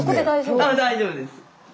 大丈夫です。